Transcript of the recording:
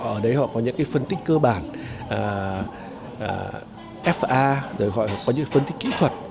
ở đấy họ có những phân tích cơ bản fa rồi họ có những phân tích kỹ thuật